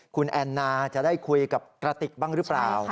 คุณแอนนาจะได้คุยกับกระติกบ้างหรือเปล่า